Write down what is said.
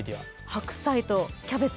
白菜とキャベツ？